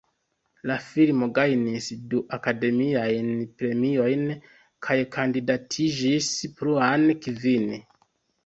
La filmo gajnis du Akademiajn Premiojn kaj kandidatiĝis pluan kvin.